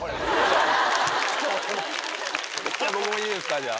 じゃあ僕もいいですかじゃあ。